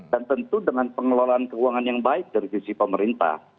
dan tentu dengan pengelolaan keuangan yang baik dari sisi pemerintah